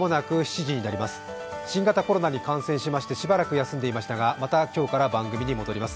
新型コロナに感染しましてしばらく休んでいましたがまた今日から番組に戻ります。